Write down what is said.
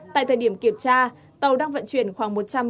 tại thời điểm kiểm tra tàu đang vận chuyển khoảng